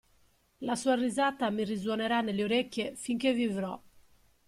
La sua risata mi risuonerà nelle orecchie finché vivrò!